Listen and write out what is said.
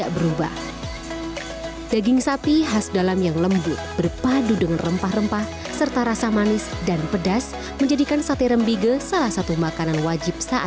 berwisata ke suatu daerah tanpa mencoba kulinernya itu rasanya gak lengkap ya